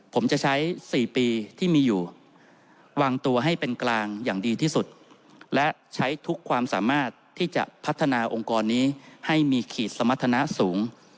ผมจะใช้๔ปีที่มีอยู่วางตัวให้เป็นกลางอย่างดีที่สุดและใช้ทุกความสามารถที่จะพัฒนาองค์กรนี้ให้มีขีดสมรรถนะสูง